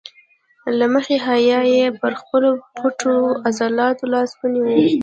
له مخې حیا یې پر خپلو پټو عضلاتو لاس ونیو.